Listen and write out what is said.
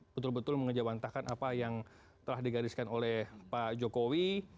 betul betul mengejawantakan apa yang telah digariskan oleh pak jokowi